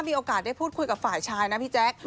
มีโอกาสได้พูดคุยกับฝ่ายชายนะพี่แจ๊ค